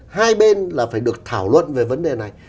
hai bên là phải được thảo luận về vấn đề này